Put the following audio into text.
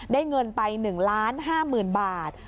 ได้เงินไป๑ล้าน๕๐๐๐๐บาท